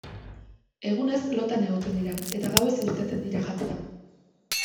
Egunez lotan egoten dira eta gauez irteten dira jatera.